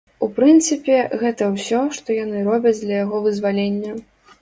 У прынцыпе, гэта ўсё, што яны робяць для яго вызвалення.